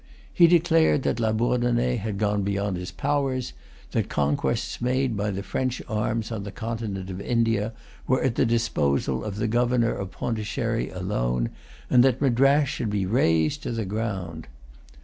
He declared that Labourdonnais had gone beyond his powers; that conquests made by the French arms on the continent of India were at the disposal of the governor of Pondicherry alone; and that Madras should be razed to the ground.